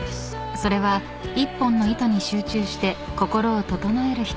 ［それは１本の糸に集中して心を整えるひととき］